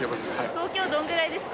東京来てどんくらいですか？